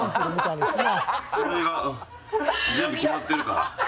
これが全部決まってるから。